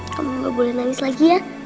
kamu gak boleh nangis lagi ya